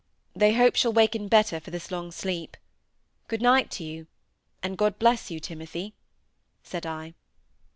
"They hope she'll waken better for this long sleep. Good night to you, and God bless you, Timothy," said I.